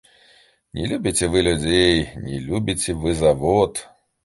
Не любіце вы людзей, не любіце вы завод.